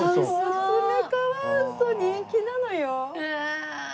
コツメカワウソ人気なのよ。